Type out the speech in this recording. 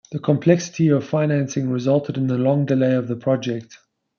The complexity of financing resulted in the long delay of the project.